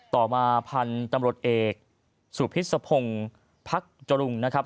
ต่อมาพันธุ์ตำรวจเอกสุพิษภงพักจรุงนะครับ